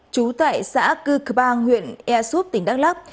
chú tại xã cư cpang huyện ia súp tỉnh đắk lắc